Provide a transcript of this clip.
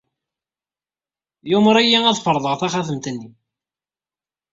Yumeṛ-iyi ad ferḍeɣ taxxamt-nni.